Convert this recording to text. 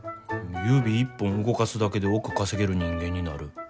指一本動かすだけで億稼げる人間になる。